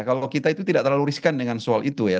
kalau kita itu tidak terlalu riskan dengan soal itu ya